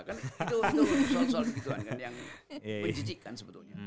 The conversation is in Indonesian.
kan itu soal soal segituan kan yang menjijikan sebetulnya